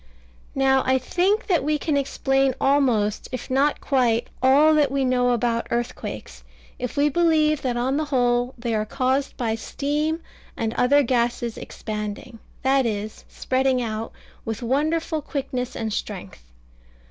Now I think that we can explain almost, if not quite, all that we know about earthquakes, if we believe that on the whole they are caused by steam and other gases expanding, that is, spreading out, with wonderful quickness and strength.